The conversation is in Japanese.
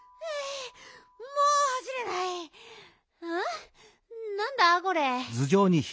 なんだこれ。